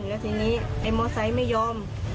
แล้วทีนี้ไอ้มอไซค์ไม่ยอม